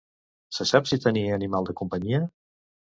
Se sap si tenia animal de companyia?